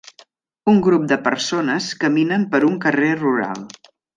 Un grup de persones caminen per un carrer rural.